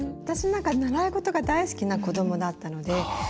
私なんか習い事が大好きな子どもだったので。